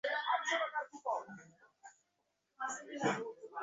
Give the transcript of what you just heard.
এ দলকে নিয়ে বাজি ধরার সাহস খোদ সে দেশের মানুষেরও ছিল না।